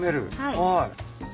はい。